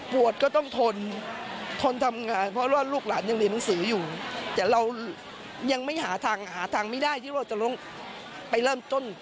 ก็ต้องทนทนทำงานเพราะว่าลูกหลานยังเรียนหนังสืออยู่แต่เรายังไม่หาทางหาทางไม่ได้ที่ว่าจะลงไปเริ่มต้น